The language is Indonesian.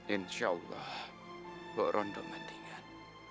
insya allah bu rondo mendingan